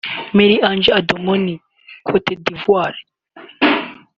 Marie Ange Adomon (Cote d’Ivoire)